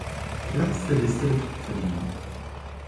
Platz der Liste der Top-Verdiener.